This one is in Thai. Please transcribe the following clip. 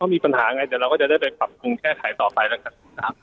มีปัญหาไงเดี๋ยวเราก็จะได้ไปปรับปรุงแก้ไขต่อไปแล้วกันนะครับ